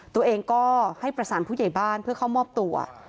ตัวเองก็ให้ประสานผู้ใหญ่บ้านเพื่อเข้ามอบตัว